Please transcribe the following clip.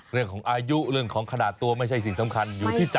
เรื่องของอายุเรื่องของขนาดตัวไม่ใช่สิ่งสำคัญอยู่ที่ใจ